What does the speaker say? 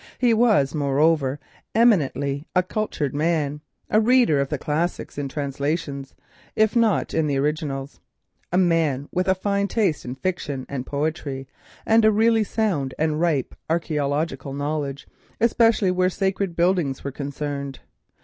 He was moreover eminently a cultured man, a reader of the classics, in translations if not in the originals, a man with a fine taste in fiction and poetry, and a really sound and ripe archaeological knowledge, especially where sacred buildings were concerned.